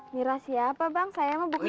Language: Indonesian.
mira siapa bang saya mau bukunya